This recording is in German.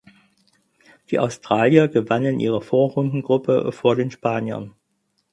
Die Australier gewannen ihre Vorrundengruppe vor den Spaniern.